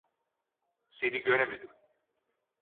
Seni göremedim.